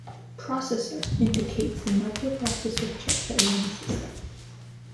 "Processor" indicates the microprocessor chip that ran the system.